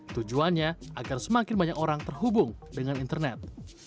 tujuannya agar semakin banyak orang terhubung dengan internet